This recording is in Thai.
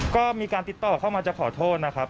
ก็มีการติดต่อเข้ามาจะขอโทษนะครับ